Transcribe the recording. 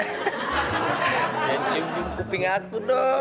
jangan cium cium kuping aku dong